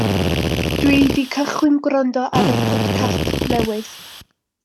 Dw i 'di cychwyn gwrando ar y podcast newydd.